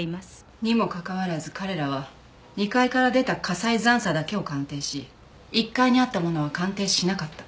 にもかかわらず彼らは２階から出た火災残渣だけを鑑定し１階にあったものは鑑定しなかった。